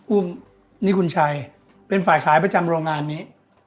อุ้มนี่คุณชัยเป็นฝ่ายขายประจำโรงงานนี้